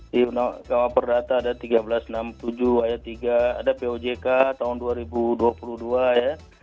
di kawal perdata ada seribu tiga ratus enam puluh tujuh ada pojk tahun dua ribu dua puluh dua ya